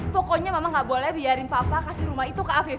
pokoknya mama enggak boleh biarin papa kasih rumah itu ke afif